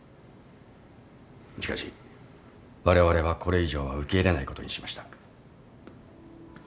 しかしわれわれはこれ以上は受け入れないことにしました。